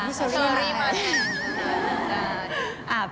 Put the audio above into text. ผมพี่เชอรี่มาได้